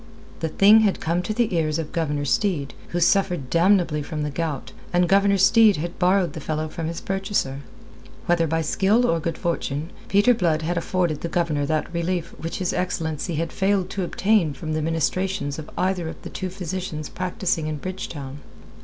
The thing had come to the ears of Governor Steed, who suffered damnably from the gout, and Governor Steed had borrowed the fellow from his purchaser. Whether by skill or good fortune, Peter Blood had afforded the Governor that relief which his excellency had failed to obtain from the ministrations of either of the two physicians practising in Bridgetown.